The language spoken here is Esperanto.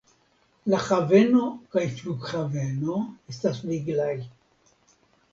La haveno kaj flughaveno estas viglaj.